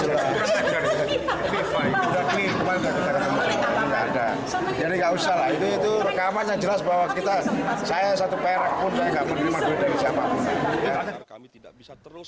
jadi gak usah lah itu rekaman yang jelas bahwa saya satu perak pun saya gak menerima duit dari siapapun